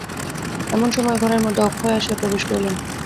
এমন সময় ঘরের মধ্যে অক্ষয় আসিয়া প্রবেশ করিলেন।